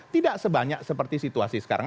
tidak sebanyak seperti situasi sekarang